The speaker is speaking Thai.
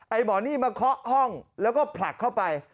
หมอนี่มาเคาะห้องแล้วก็ผลักเข้าไป